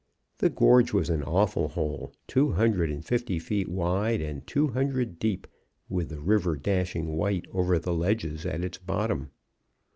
"The gorge was an awful hole, two hundred and fifty feet wide and two hundred deep, with the river dashing white over the ledges at its bottom.